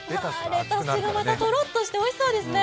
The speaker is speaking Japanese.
レタスがまた、とろっとしておいしそうですね。